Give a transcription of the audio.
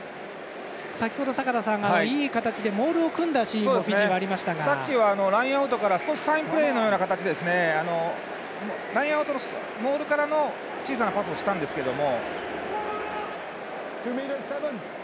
坂田さん、いい形でモールを組んだシーンもありましたがさっきはラインアウトから少しサインプレーのような形でラインアウトのモールからの小さなパスをしたんですけども。